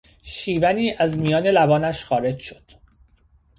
شیونی از میان لبانش خارج شد.